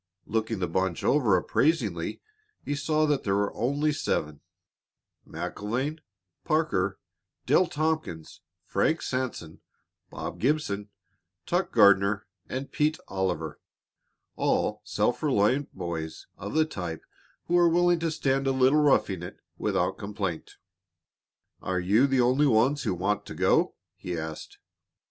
Looking the bunch over appraisingly, he saw that there were only seven MacIlvaine, Parker, Dale Tompkins, Frank Sanson, Bob Gibson, Turk Gardner and Pete Oliver, all self reliant boys of the type who were willing to stand a little roughing it without complaint. "Are you the only ones who want to go?" he asked.